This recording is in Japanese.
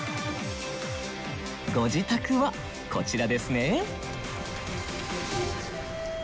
ご自宅はこちらですね。